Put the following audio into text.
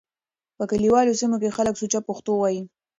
په کليوالو سيمو کې خلک سوچه پښتو وايي.